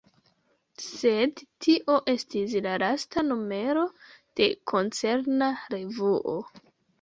Sed tio estis la lasta numero de koncerna revuo.